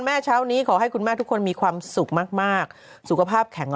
เช้านี้ขอให้คุณแม่ทุกคนมีความสุขมากสุขภาพแข็ง